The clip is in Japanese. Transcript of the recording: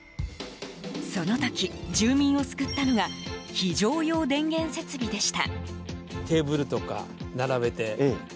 その時、住民を救ったのが非常用電源設備でした。